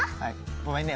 ごめんね。